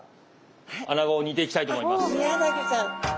アナゴを煮ていきたいと思います。